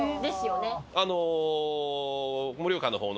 あの。